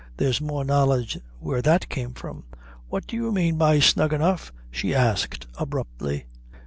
there's more knowledge where that came from. What do you mane by snug enough?" she asked abruptly.